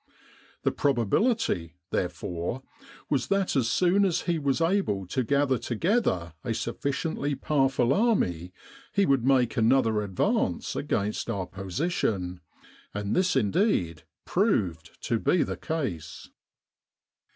The probability, therefor^, was that as soon as he was able to gather together a sufficiently powerful army he would make another advance against our position, and this indeed proved to be the case.